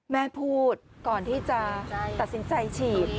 แม่พูดก่อนที่จะตัดสินใจฉีด